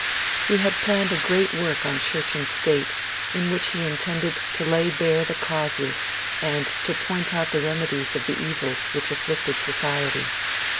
He had planned a great work on Church and State, in which he intended to lay bare the causes and to point out the remedies of the evils which afflicted society.